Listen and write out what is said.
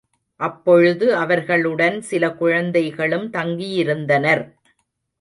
அப்பொழுது அவர்களுடன் சில குழந்தைகளும் தங்கியிருந்தனர்.